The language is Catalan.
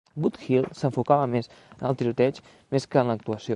"Boot Hill" s'enfocava més en el tiroteig més que en l'actuació.